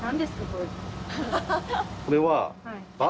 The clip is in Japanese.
これは。